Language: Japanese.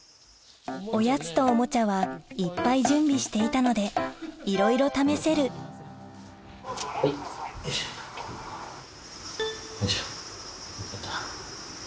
おやつとおもちゃはいっぱい準備していたのではいよいしょ。